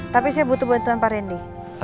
tapi saya butuh bantuan pak randy